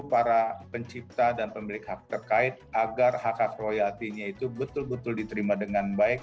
para pencipta dan pemilik hak terkait agar hak hak royatinya itu betul betul diterima dengan baik